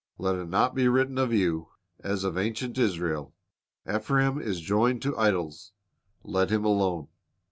Let it not be written of you, as of ancient Israel, "Ephraim is joined to idols; let him alone."